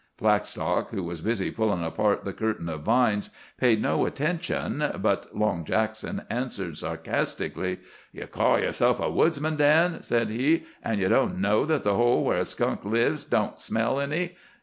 Blackstock, who was busy pulling apart the curtain of vines, paid no attention, but Long Jackson answered sarcastically: "Ye call yerself a woodsman, Dan," said he, "an' ye don't know that the hole where a skunk lives don't smell any.